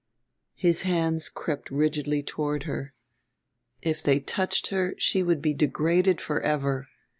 His hands crept rigidly toward her. If they touched her she would be degraded for ever.